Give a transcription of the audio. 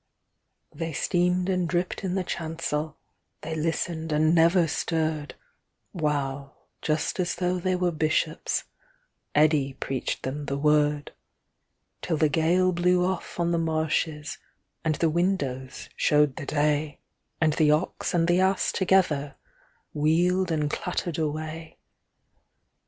They steamed and dripped in the chancel, They listened and never stirred, While, just as though they were Bishops, Eddi preached them The Word, Till the gale blew off on the marshesAnd the windows showed the day, And the Ox and the Ass togetherWheeled and clattered away.